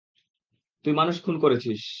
তুই মানুষ খুন করেছিস!